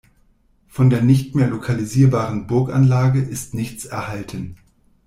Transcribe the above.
Von der nicht mehr lokalisierbaren Burganlage ist nichts erhalten.